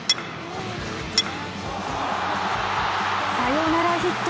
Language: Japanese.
サヨナラヒット！